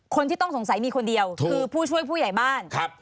คนที่ต้องสงสัยมีคนเดียวคือผู้ช่วยผู้ใหญ่บ้านครับ